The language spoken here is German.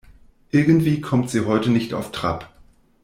Irgendwie kommt sie heute nicht auf Trab.